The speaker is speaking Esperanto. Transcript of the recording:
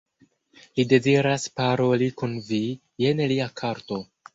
Li deziras paroli kun vi, jen lia karto.